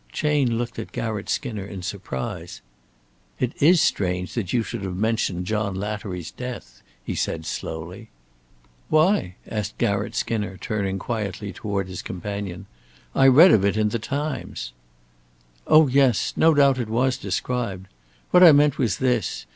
Chayne looked at Garratt Skinner in surprise. "It is strange that you should have mentioned John Lattery's death," he said, slowly. "Why?" asked Garratt Skinner, turning quietly toward his companion. "I read of it in 'The Times.'" "Oh, yes. No doubt it was described. What I meant was this.